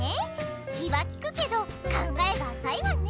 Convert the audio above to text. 気はきくけど考えがあさいわね。